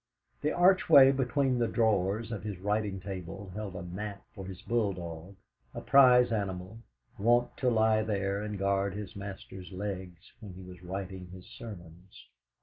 The archway between the drawers of his writing table held a mat for his bulldog, a prize animal, wont to lie there and guard his master's legs when he was writing his sermons.